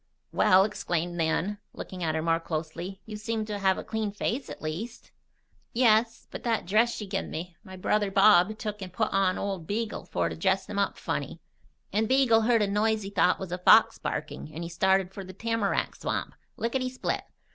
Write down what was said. "Well!" exclaimed Nan, looking at her more closely. "You seem to have a clean face, at least." "Yes. But that dress she 'gin me, my brother Bob took and put on Old Beagle for to dress him up funny. And Beagle heard a noise he thought was a fox barking and he started for the tamarack swamp, lickety split.